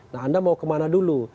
nah anda mau kemana dulu